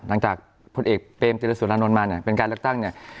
หลังจากพลเอกเปรมติรสุรานนท์มาเนี่ยเป็นการเลือกตั้งเนี่ย